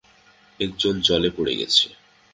একজন জলে পড়ে গেছে!